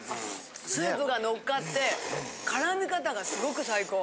スープがのっかって絡み方がすごく最高！